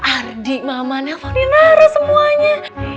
ardi mama nelponin rara semuanya